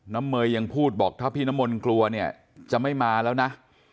เมย์ยังพูดบอกถ้าพี่น้ำมนต์กลัวเนี่ยจะไม่มาแล้วนะ